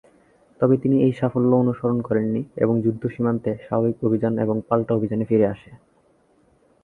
তবে তিনি এই সাফল্য অনুসরণ করেননি এবং যুদ্ধ সীমান্তে স্বাভাবিক অভিযান এবং পাল্টা অভিযানে ফিরে আসে।